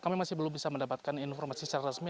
kami masih belum bisa mendapatkan informasi secara resmi